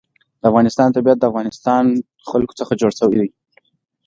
د افغانستان طبیعت له د افغانستان جلکو څخه جوړ شوی دی.